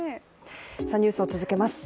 ニュースを続けます。